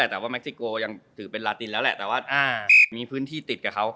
แต่ว่าเค็กซิโกยังถือเป็นลาตินแล้วแหละแต่ว่ามีพื้นที่ติดกับเขา